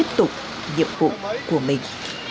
tiếp tục nhiệm vụ của mình